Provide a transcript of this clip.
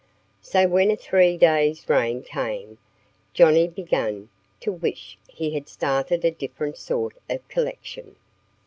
So when a three days' rain came, Johnnie began to wish he had started a different sort of collection.